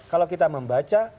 kalau kita membaca